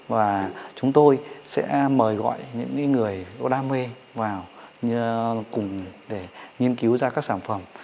và chúng tôi sẽ mời gọi những người có đam mê vào cùng để nghiên cứu ra các sản phẩm